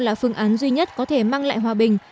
là phương án duy nhất có thể mang lại hòa bình